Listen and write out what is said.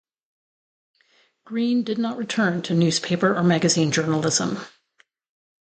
Greene did not return to newspaper or magazine journalism.